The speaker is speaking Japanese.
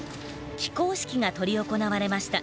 起工式が執り行われました。